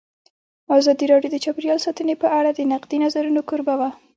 ازادي راډیو د چاپیریال ساتنه په اړه د نقدي نظرونو کوربه وه.